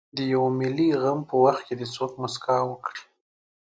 د یوه ملي غم په وخت دې څوک مسکا وکړي.